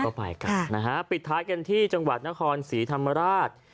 ก็ไปกันนะฮะปิดท้ายกันที่จังหวัดนครศรีธรรมราช